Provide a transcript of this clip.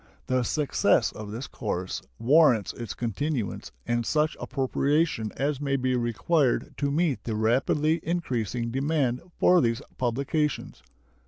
The success of this course warrants its continuance and such appropriation as may be required to meet the rapidly increasing demand for these publications.